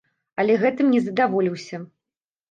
Але гэтым не задаволіўся.